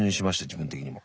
自分的にも。